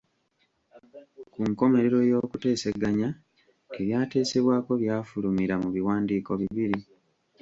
Ku nkomerero y’okuteeseganya, ebyateesebwako byafulumira mu biwandiiko bibiri.